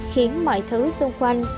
khiến mọi thứ xung quanh